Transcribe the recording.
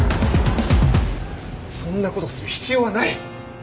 そんなことする必要はない。